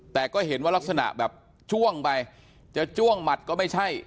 แต่ก็เห็นว่ารักษณะแบบจ้วงไปจะจ้วงหมัดก็ไม่ใช่